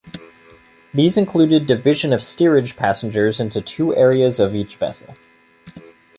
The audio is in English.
These included division of steerage passengers into two areas of each vessel.